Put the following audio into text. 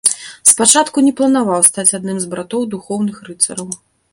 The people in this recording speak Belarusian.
Спачатку не планаваў стаць адным з братоў духоўных рыцараў.